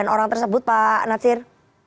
orang tersebut pak nasir